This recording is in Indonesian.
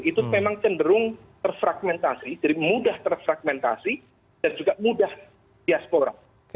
itu memang cenderung terfragmentasi jadi mudah terfragmentasi dan juga mudah diaspora